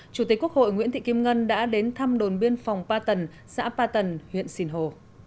chủ tịch quốc hội nguyễn thị kim ngân đã đến thăm đồn biên phòng ba tầng xã ba tần huyện sìn hồ